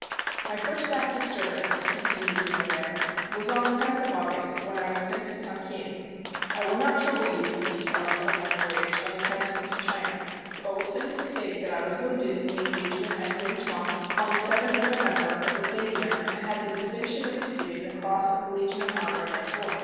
"My first act of service," continued De Nevers, "was on the 10th of August when I was sent to Tonkin. I will not trouble you with the details of my voyage on the transport to China, but will simply state that I was wounded in the engagement at Yung Chuang on the 7th of November of the same year and had the distinction of receiving the Cross of the Legion of Honor therefor.